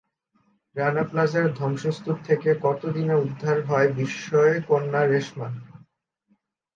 রানা প্লাজার ধ্বংসস্তূপ থেকে কত দিনে উদ্ধার হয় বিস্ময়কন্যা রেশমা?